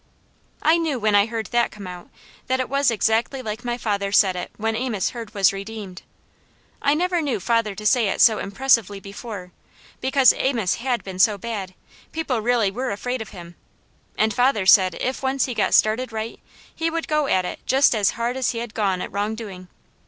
I knew when I heard that come out, that it was exactly like my father said it when Amos Hurd was redeemed. I never knew father to say it so impressively before, because Amos had been so bad, people really were afraid of him, and father said if once he got started right, he would go at it just as hard as he had gone at wrongdoing.